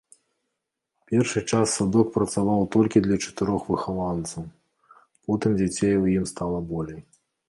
Першы час садок працаваў толькі для чатырох выхаванцаў, потым дзяцей у ім стала болей.